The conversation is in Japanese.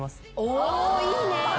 おいいね。